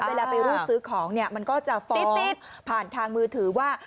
เวลาไปรูดซื้อของเนี่ยมันก็จะฟ้องผ่านทางมือถือว่า